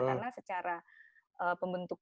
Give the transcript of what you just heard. karena secara pembentukan